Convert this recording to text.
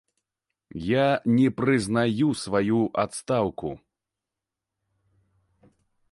Я не прызнаю сваю адстаўку.